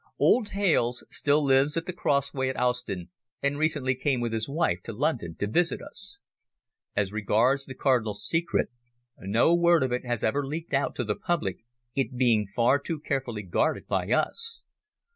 Old Hales still lives at the Crossway at Owston, and recently came with his wife to London to visit us. As regards the Cardinal's secret, no word of it has ever leaked out to the public, it being far too carefully guarded by us.